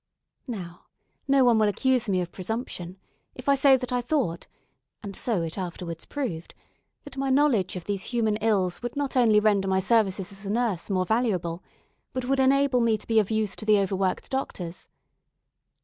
Now, no one will accuse me of presumption, if I say that I thought (and so it afterwards proved) that my knowledge of these human ills would not only render my services as a nurse more valuable, but would enable me to be of use to the overworked doctors.